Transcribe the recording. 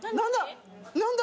何だ？